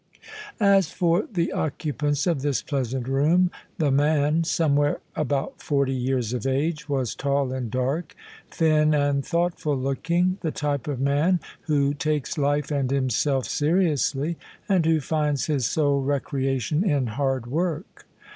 As for the occupants of this pleasant room, the man somewhere about forty years of age — ^was tall and dark, thin and thoughtful looking: the type of man who takes life and himself seriously, and who finds his sole recreation in hard work.